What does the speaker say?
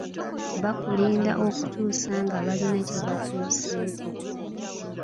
Baakulinda okutuusa nga balina kye batuuseeko.